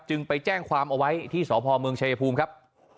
จึงไปแจ้งความเอาไว้ที่สทธิผ่าต์มืองชายภูมิครับ